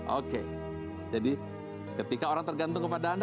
oke jadi ketika orang tergantung kepada anda